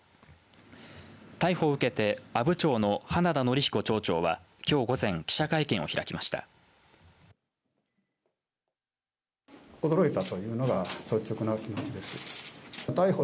逮捕を受けて阿武町の花田憲彦町長はきょう午前記者会見を開きました。